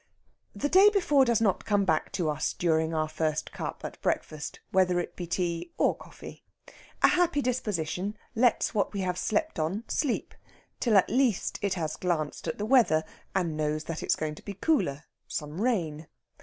The day before does not come back to us during our first cup at breakfast, whether it be tea or coffee. A happy disposition lets what we have slept on sleep, till at least it has glanced at the weather, and knows that it is going to be cooler, some rain.